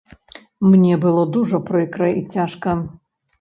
Мне было дужа прыкра і цяжка.